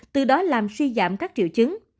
từ đó làm suy giảm các triệu chứng